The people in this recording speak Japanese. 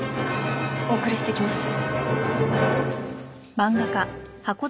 お送りしてきます。